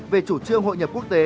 về chủ trương hội nhập quốc tế